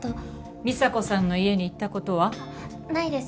美沙子さんの家に行った事は？ないです。